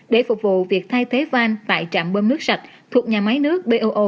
để phục vụ việc thay thế van tại trạm bơm nước sạch thuộc nhà máy nước boo